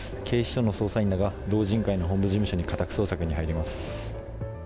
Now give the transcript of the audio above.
警視庁の捜査員らが道仁会の本部事務所に家宅捜索に入ります。